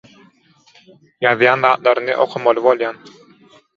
ýazýan zatlaryny okamaly bolýan.